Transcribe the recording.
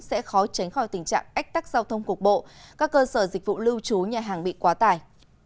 sẽ khó tránh khỏi tình trạng ách tắc giao thông cục bộ các cơ sở dịch vụ lưu trú nhà hàng bị quá tải